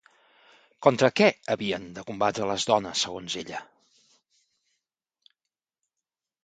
Contra què havien de combatre les dones, segons ella?